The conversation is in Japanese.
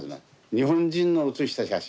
日本人の写した写真は。